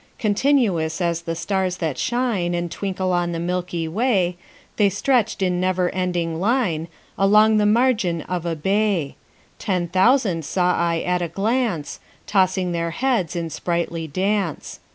Continuous as the stars that shine And twinkle on the milky way, The stretched in never ending line Along the margin of a bay: Ten thousand saw I at a glance, Tossing their heads in sprightly dance.